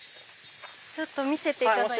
ちょっと見せていただいても。